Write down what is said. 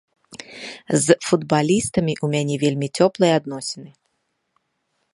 З футбалістамі ў мяне вельмі цёплыя адносіны.